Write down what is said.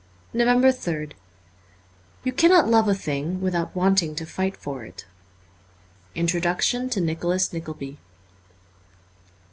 342 NOVEMBER 3rd YOU cannot love a thing without wanting to fight for it. Introduction to ' Nicholas Nickleby.'